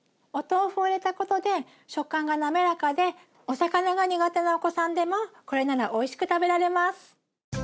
お豆腐を入れたことで食感が滑らかでお魚が苦手なお子さんでもこれならおいしく食べられます。